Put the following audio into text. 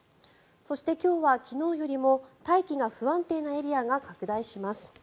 そして、今日は昨日よりも大気が不安定なエリアが拡大します。